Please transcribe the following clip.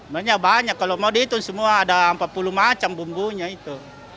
banyak kalau mau dihitung semua ada empat puluh macam bumbunya itu